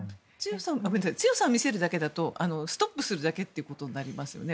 強さを見せるだけだとストップするだけということになりますよね。